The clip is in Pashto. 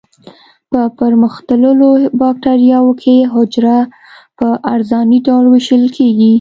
په پرمختللو بکټریاوو کې حجره په عرضاني ډول ویشل کیږي.